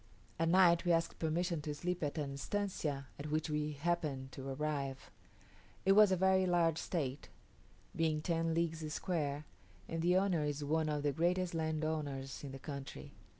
At night we asked permission to sleep at an estancia at which we happened to arrive. It was a very large estate, being ten leagues square, and the owner is one of the greatest landowners in the country.